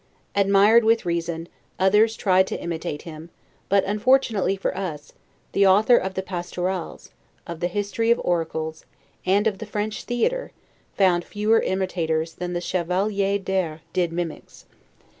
Admired with reason, others tried to imitate him; but, unfortunately for us, the author of the "Pastorals," of the "History of Oracles," and of the "French Theatre," found fewer imitators than the Chevalier d'Her did mimics.